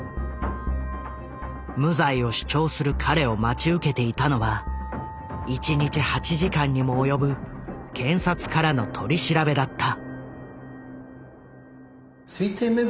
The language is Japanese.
無罪を主張する彼を待ち受けていたのは１日８時間にも及ぶ検察からの取り調べだった。